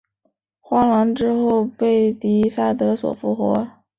荒狼之后被狄萨德所复活。